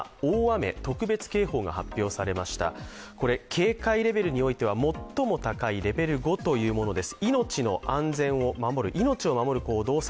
警戒レベルにおいては最も高いレベル５というものです。